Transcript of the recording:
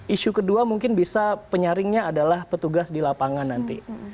isu kedua mungkin bisa penyaringnya adalah petugas di lapangan nanti